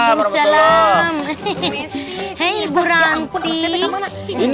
bu messi sini saya ampun bu messi kemana